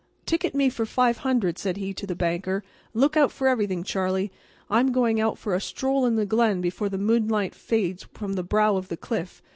"Ticket me for five hundred," said he to the banker, "and look out for everything, Charlie. I'm going out for a stroll in the glen before the moonlight fades from the brow of the cliff.